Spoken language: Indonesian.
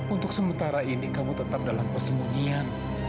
untuk sementara ini kamu tetap dalam persembunyian